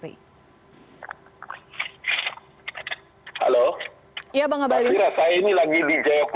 tapi tampaknya banyak hal yang berbeda pada saat pembubaran hti sebelumnya dibandingkan saat ini fpi